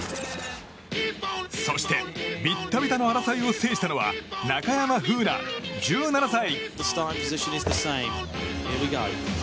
そして、ビッタビタの争いを制したのは中山楓奈、１７歳。